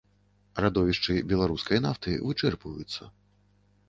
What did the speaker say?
Радовішчы беларускай нафты вычэрпваюцца.